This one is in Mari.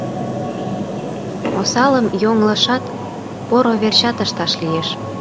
Осалым йоҥылышат, поро верчат ышташ лиеш.